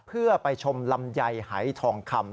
เพื่อไปชมลำไยหายทองคำ